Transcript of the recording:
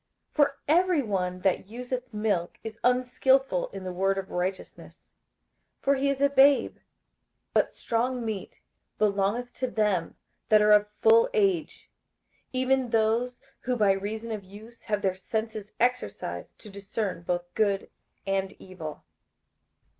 58:005:013 For every one that useth milk is unskilful in the word of righteousness: for he is a babe. 58:005:014 But strong meat belongeth to them that are of full age, even those who by reason of use have their senses exercised to discern both good and evil.